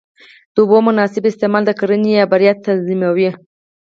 د اوبو مناسب استعمال د کرنې بریا تضمینوي.